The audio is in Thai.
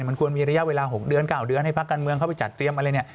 มันควรมีระยะเวลา๖เดือน๙เดือนให้พักการเมืองเข้าไปจัดเตรียมอะไรเนี่ย